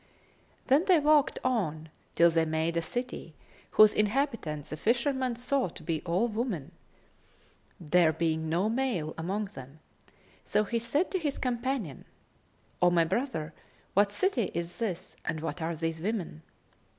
Then they walked on, till they made a city, whose inhabitants the fisherman saw to be all women, there being no male among them; so he said to his companion, "O my brother, what city is this and what are these women?"